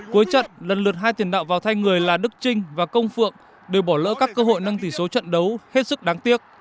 cuối trận lần lượt hai tiền đạo vào tay người là đức trinh và công phượng đều bỏ lỡ các cơ hội nâng tỷ số trận đấu hết sức đáng tiếc